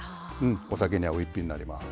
お酒に合う一品になります。